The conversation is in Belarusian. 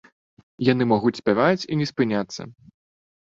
Яны могуць спяваць і не спыняцца.